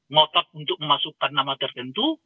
ngotot untuk memasukkan nama tertentu